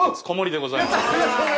小盛でございます。